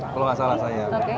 kalau nggak salah saya